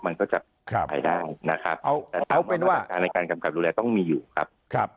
มันก็จะขายได้นะครับแต่การกำกัดดูแลต้องมีอยู่ครับ